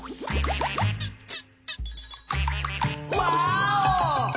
ワーオ！